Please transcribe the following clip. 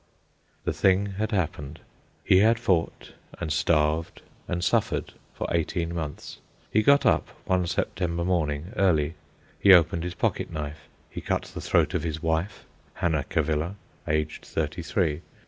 The thing had happened. He had fought, and starved, and suffered for eighteen months. He got up one September morning, early. He opened his pocket knife. He cut the throat of his wife, Hannah Cavilla, aged thirty three.